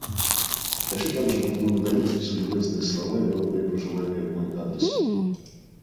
Хочу также поблагодарить их за любезные слова и добрые пожелания в мой адрес.